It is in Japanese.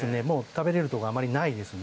食べられるところはあまりないですね。